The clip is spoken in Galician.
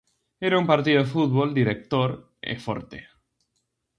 Era un partido de fútbol director e forte.